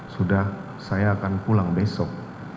sudah saya akan pulang besok